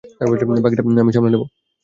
বাকিটা আমি সামলে নিব।